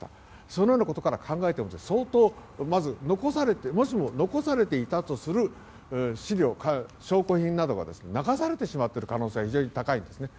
そのようなことから考えてももし残されていたとする資料や証拠品などが流されてしまっている可能性が高いですね。